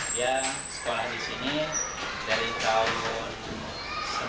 dia sekolah di sini dari tahun seribu sembilan ratus enam puluh tujuh